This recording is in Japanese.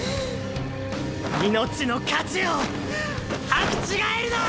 命の価値を履き違えるな！